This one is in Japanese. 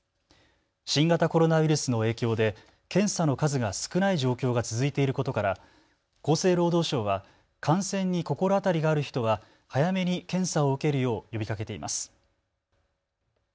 新型コロナウイルスの影響で検査の数が少ない状況が続いていることから厚生労働省は感染に心当たりがある人は早めに検査を受けるよう呼びかけています。